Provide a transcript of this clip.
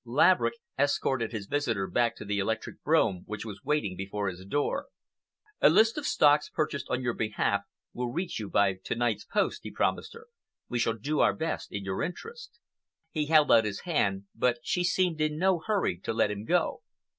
Laverick escorted his visitor back to the electric brougham which was waiting before his door. "A list of stocks purchased on your behalf will reach you by to night's post," he promised her. "We shall do our best in your interests." He held out his hand, but she seemed in no hurry to let him go.